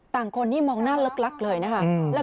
ต่างคนนี่มองหน้าลึกเลยนะคะ